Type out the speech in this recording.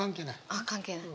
あっ関係ない？